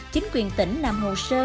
chính quyền tỉnh nằm hồ sơ